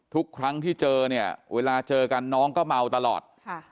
ทุกครั้งที่เจอเนี่ยเวลาเจอกันน้องก็เมาตลอด